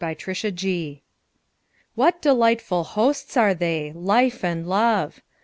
A PARTING GUEST WHAT delightful hosts are they Life and Love!